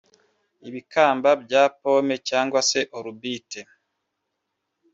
ibikamba bya pome cyangwa se orbite